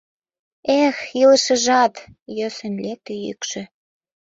— Эх, илышыжат! — йӧсын лекте йӱкшӧ.